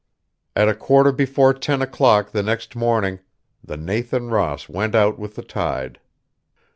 At a quarter before ten o'clock the next morning, the Nathan Ross went out with the tide.